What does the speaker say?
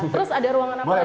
terus ada ruangan apa lagi